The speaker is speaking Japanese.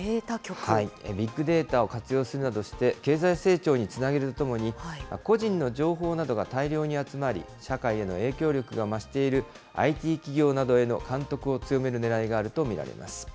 ビッグデータを活用するなどして、経済成長につなげるとともに、個人の情報などが大量に集まり、社会への影響力が増している、ＩＴ企業などへの監督を強めるねらいがあると見られます。